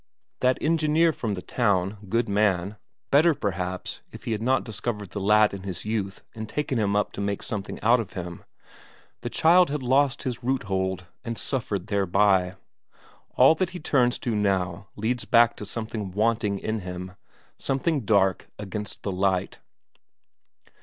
That engineer from the town, good man better perhaps, if he had not discovered the lad in his youth and taken him up to make something out of him; the child had lost his roothold, and suffered thereby. All that he turns to now leads back to something wanting in him, something dark against the light....